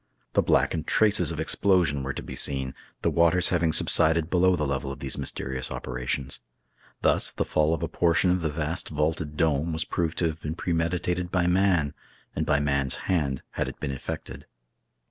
The blackened traces of explosion were to be seen, the waters having subsided below the level of these mysterious operations Thus the fall of a portion of the vast vaulted dome was proved to have been premeditated by man, and by man's hand had it been effected.